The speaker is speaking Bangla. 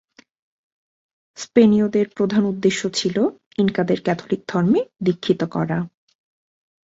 স্পেনীয়দের প্রধান উদ্দেশ্য ছিল ইনকাদের ক্যাথলিক ধর্মে দীক্ষিত করা।